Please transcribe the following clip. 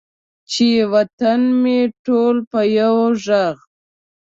چې وطن مې ټول په یو ږغ،